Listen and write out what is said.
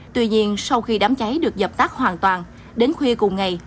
tuy nhiên sau khi đám cháy được dập tắt hoàn toàn đến khuya cùng ngày